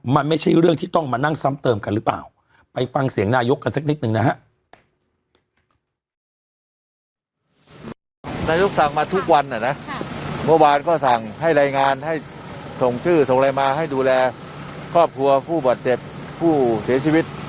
ทุกวันเมื่อวานก็สั่งให้รายงานให้ส่งชื่อส่งรายมาให้ดูแลครอบครัวผู้บาดเจ็บผู้เสียชีวิต